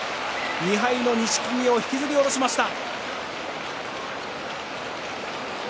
２敗の錦木を引きずり下ろしました。